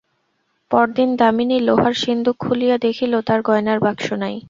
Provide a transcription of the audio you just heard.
পরদিন দামিনী লোহার সিন্ধুক খুলিয়া দেখিল তার গহনার বাক্স নাই।